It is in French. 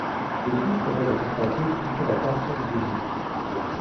De plus sa voix de contralto suscitait la passion du public.